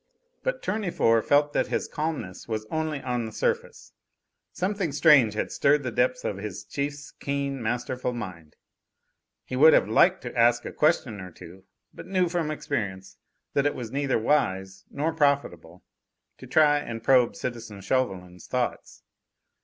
But Tournefort felt that this calmness was only on the surface; something strange had stirred the depths of his chief's keen, masterful mind. He would have liked to ask a question or two, but knew from experience that it was neither wise nor profitable to try and probe citizen Chauvelin's thoughts.